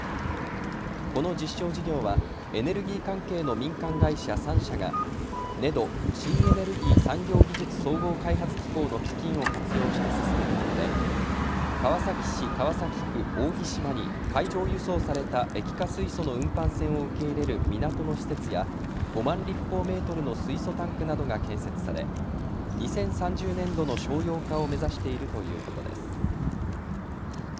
この実証事業はエネルギー関係の民間会社３社がＮＥＤＯ・新エネルギー・産業技術総合開発機構の基金を活用して進めるもので、川崎市川崎区扇島に海上輸送された液化水素の運搬船を受け入れる港の施設や５万立方メートルの水素タンクなどが建設され２０３０年度の商用化を目指しているということです。